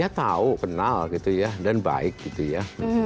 dia tahu kenal gitu ya dan baik gitu ya